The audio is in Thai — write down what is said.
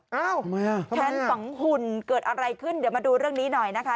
ทำไมอ่ะแค้นฝังหุ่นเกิดอะไรขึ้นเดี๋ยวมาดูเรื่องนี้หน่อยนะคะ